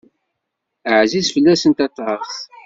Ɛziz fell-asent aṭas.